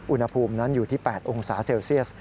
อุณหภูมินั้นอยู่ที่๘องศาเซลเซียส